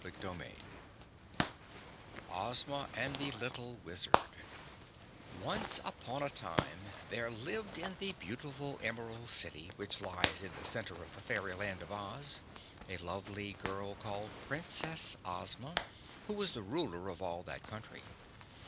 OZMA AND THE LITTLE WIZARD Once upon a time there lived in the beautiful Emerald City, which lies in the center of the fairy Land of Oz, a lovely girl called Princess Ozma, who was ruler of all that country.